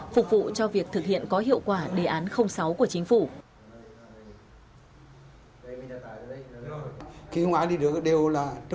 phục vụ cho việc thực hiện có hiệu quả đề án sáu của chính phủ